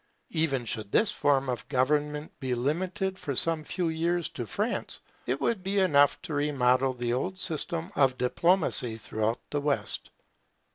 Even should this form of government be limited for some years to France, it would be enough to remodel the old system of diplomacy throughout the West.